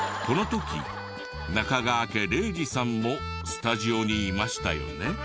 この時中川家礼二さんもスタジオにいましたよね。